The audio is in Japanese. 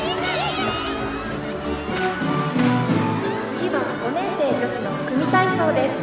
「次は５年生女子の組み体操です」。